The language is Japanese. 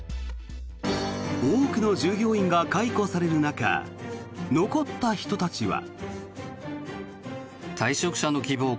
多くの従業員が解雇される中残った人たちは。